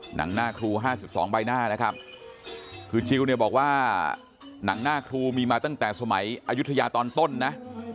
หนังหน้าครู๕๒ใบหน้านะครับคือจิลเนี่ยบอกว่าหนังหน้าครูมีมาตั้งแต่สมัยอายุทยาตอนต้นนะ